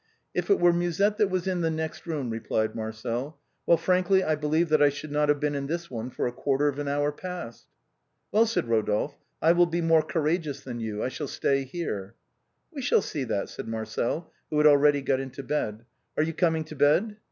" If it were Musette that was in the next room," replied Marcel, " well, frankly, I believe that I should not have been in this one for a quarter of an hour past." " Well," said Rodolphe, " I will be more courageous than you, I shall stay here." " We shall see that," said Marcel, who had already got into bed. "Are you coming to bed